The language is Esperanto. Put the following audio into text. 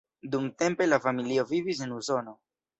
Dumtempe la familio vivis en Usono.